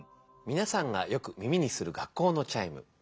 みなさんがよく耳にする学校のチャイム。